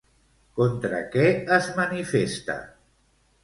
Contra què es manifesta?